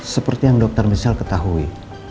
seperti yang dokter michel ketahui